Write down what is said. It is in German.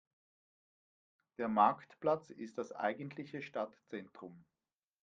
Der Marktplatz ist das eigentliche Stadtzentrum.